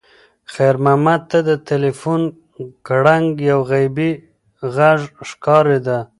خیر محمد ته د تلیفون ګړنګ یو غیبي غږ ښکارېده.